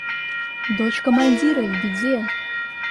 Дочь командира в беде!